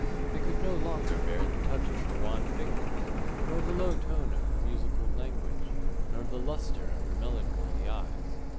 I could no longer bear the touch of her wan fingers, nor the low tone of her musical language, nor the lustre of her melancholy eyes.